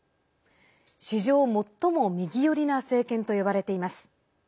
史上最も右寄りな政権と呼ばれています。